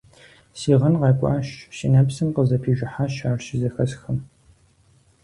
Си гъын къэкӀуащ, си нэпсым къызэпижыхьащ, ар щызэхэсхым…